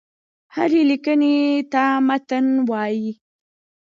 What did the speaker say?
هري ليکني ته متن وايي.